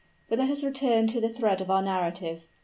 But let us return to the thread of our narrative.